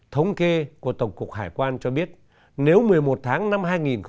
thống kê của tổng cục hải quan cho biết nếu một mươi một tháng năm hai nghìn một mươi chín